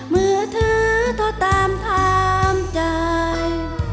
มือถือต้องตามทามใจ